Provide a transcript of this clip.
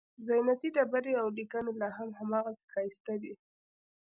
زینتي ډبرې او لیکنې لاهم هماغسې ښایسته دي.